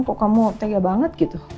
kok kamu tega banget gitu